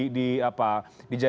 yang diberikan kepadanya